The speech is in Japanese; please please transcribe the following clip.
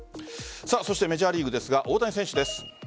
そしてメジャーリーグですが大谷選手です。